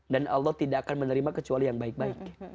dan allah tidak akan menerima kecuali yang baik baik